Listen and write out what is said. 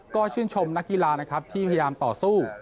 ก็ชื่นชมนักกีฬานะครับที่พยายามต่อสู้